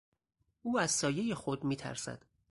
او از سایهٔ خود میترسد.